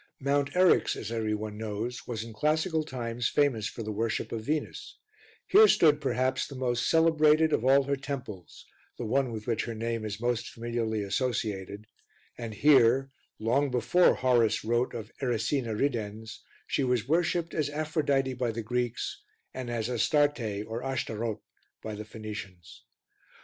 Mount Eryx, as every one knows, was in classical times famous for the worship of Venus: here stood perhaps the most celebrated of all her temples the one with which her name is most familiarly associated and here, long before Horace wrote of "Erycina ridens," she was worshipped as Aphrodite by the Greeks, and as Astarte or Ashtaroth by the Phoenicians.